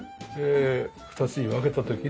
２つに分けた時の。